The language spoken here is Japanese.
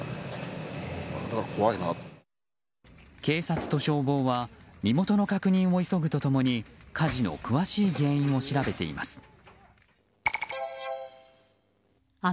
警察と消防は身元の確認を急ぐと共に火事の詳しい原因を調べています。